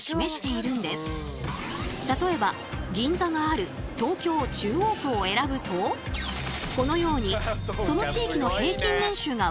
例えば銀座がある東京・中央区を選ぶとこのようにその地域の平均年収が分かるってわけ。